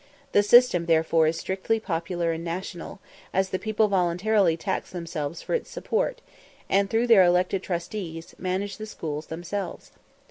The system, therefore, is strictly popular and national, as the people voluntarily tax themselves for its support, and, through their elected trustees, manage the schools themselves.